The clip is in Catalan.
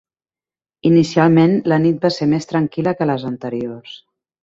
Inicialment, la nit va ser més tranquil·la que les anteriors.